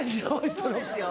そうですよ。